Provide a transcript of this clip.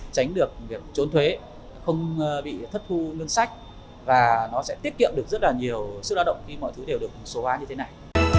tránh được việc trốn thuế không bị thất thu ngân sách và nó sẽ tiết kiệm được rất là nhiều sức lao động khi mọi thứ đều được số hóa như thế này